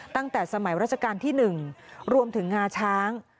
ตั้งแต่สมัยราชการที่๑รวมถึงงาช้าง